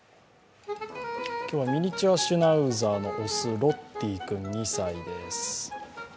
今日はミニチュアシュナウザーの雄・ロッティ君、２歳です。